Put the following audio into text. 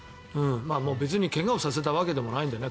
別に怪我をさせたわけでもないんでね。